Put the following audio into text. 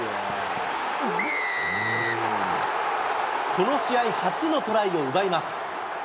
この試合、初のトライを奪います。